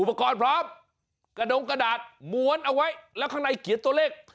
อุปกรณ์พร้อมกระดงกระดาษม้วนเอาไว้แล้วข้างในเขียนตัวเลข